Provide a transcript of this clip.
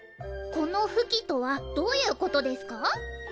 この「不羈」とはどういうことですか？